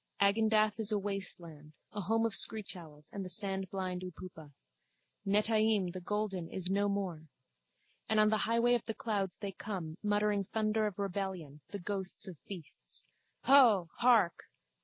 Agendath is a waste land, a home of screechowls and the sandblind upupa. Netaim, the golden, is no more. And on the highway of the clouds they come, muttering thunder of rebellion, the ghosts of beasts. Huuh! Hark!